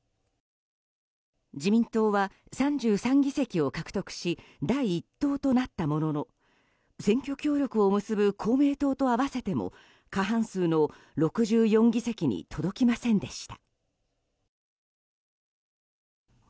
自民党は３３議席を獲得し第１党となったものの選挙協力を結ぶ公明党と合わせても過半数の６４議席に届きませんでした。